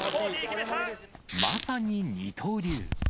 まさに二刀流。